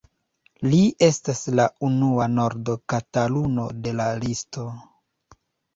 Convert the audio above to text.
Li estas la unua nord-Kataluno de la listo.